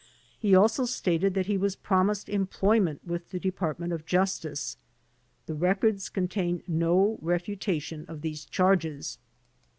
He also stated that he was promised em ployment with the Department of Justice. The records contain no refutation of these charges.